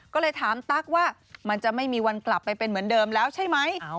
ก็เลยถามตั๊กว่ามันจะไม่มีวันกลับไปเป็นเหมือนเดิมแล้วใช่ไหม